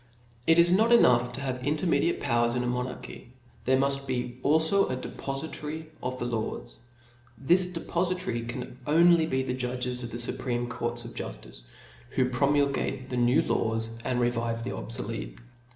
It is not enough to have intermediate powers in a monarchy , there muft be alfo a depofitary of the laws. This depofitary can only be the judges of the fupreme courts of juftice, whopromulge the new laws, and revive the obfolete.